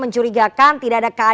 mas curi apa yang sudah kita tahu